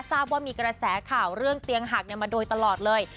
ทราบว่ามีกระแสข่าวเรื่องเตียงหักมาโดยตลอดเลย